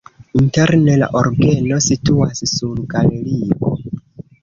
Interne la orgeno situas sur galerio.